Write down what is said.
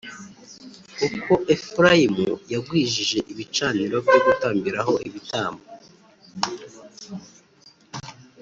Kuko Efurayimu yagwijije ibicaniro byo gutambiraho ibitambo